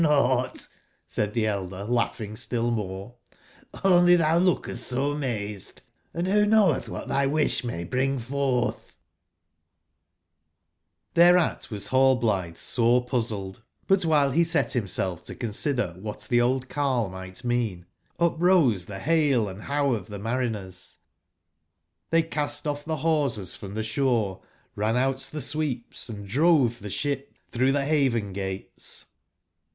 J^ougbt, nougbt,"said tbe elder, laugbing still more, "only tbou lookest so mazed. Hnd wbo knowetbwbat tby wisb may bring fortb ?" C3 53 RBRBHtr was HaUblitbc sore puz zled; but while be ect bimeelf to con eider wbat tbe old carle migbt mean, uproee tbe bale and bow of tbe mari ners ; tbey cast off tbe bawsers from tbe sbore, ran out tbe sweeps, & drove tbe sbip tbrougb tbe baven/gates.